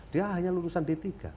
dia hanya lulusan d tiga